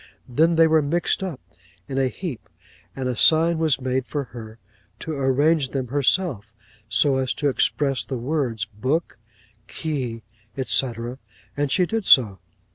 then they were mixed up in a heap and a sign was made for her to arrange them herself so as to express the words book, key, &c. and she did so.